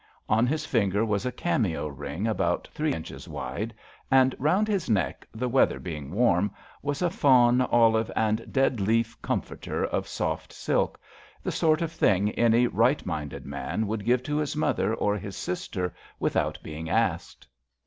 On his finger was a cameo ring about three inches wide, and round his neck, the weather being warm, was a fawn, olive and dead leaf com forter of soft silk — ^the sort of thing any right minded man would give to his mother or his sister without being asked.